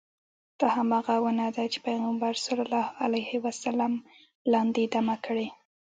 دا همغه ونه ده چې پیغمبر صلی الله علیه وسلم لاندې دمه کړې.